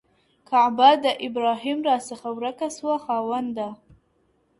کعبه د ابراهیم راڅخه ورکه سوه خاونده.!